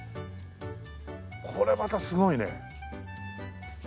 これまたすごいね。